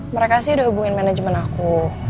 mereka sih udah hubungin manajemen aku